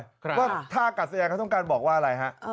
ว่าท่ากัดสยานเขาต้องการบอกว่าอะไรฮะ